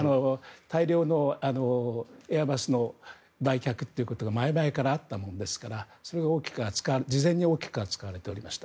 大量のエアバスのということが前々からあったものですから事前に大きく扱われていました。